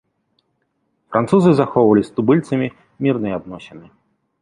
Французы захоўвалі з тубыльцамі мірныя адносіны.